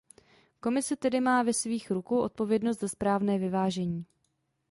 Komise tedy má ve svých rukou odpovědnost za správné vyvážení.